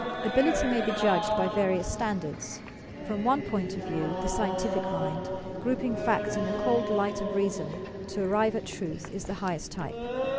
_ Ability may be judged by various standards. From one point of view, the scientific mind, grouping facts in the cold light of reason to arrive at truth, is the highest type.